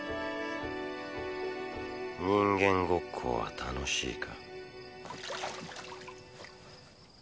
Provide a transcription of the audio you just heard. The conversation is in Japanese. ・人間ごっこは楽しいか？